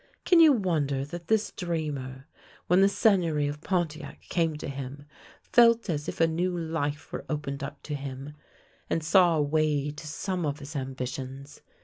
Can you wonder that this dreamer, when the Seigneury of Pontiac came to him, felt as if a new life were opened up to him, and saw a way to some of his ambitions?